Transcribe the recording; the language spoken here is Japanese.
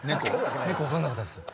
猫分かんなかったです。